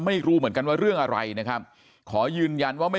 ไม่รู้เหมือนกันว่าเรื่องอะไรนะครับขอยืนยันว่าไม่